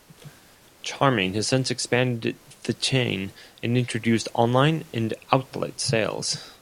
Charming has since expanded the chain and introduced online and outlet sales.